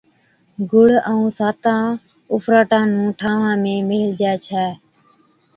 گُڙ ائُون ساتان اُڦراٽان نُون ٺانوان ۾ ميھلجي ڇَي